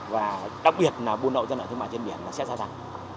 và đặc biệt là buôn lậu dân ở thương mại trên biển sẽ ra rằng